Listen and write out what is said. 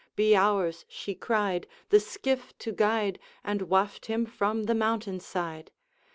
Be ours,' she cried, 'the skiff to guide, And waft him from the mountain side.'